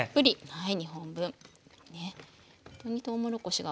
はい。